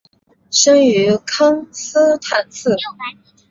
生于康斯坦茨。